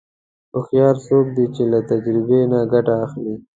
هوښیار څوک دی چې له تجربې نه ګټه اخلي.